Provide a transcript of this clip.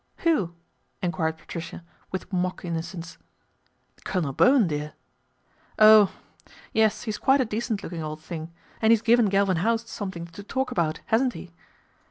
' Who ?" enquired Patricia, with mock in nocence. " Colonel Bowen, dear." " Oh ! Yes, he's quite a decent looking old thing, and he's given Galvin House something to talk about, hasn't he